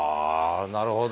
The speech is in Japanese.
なるほど。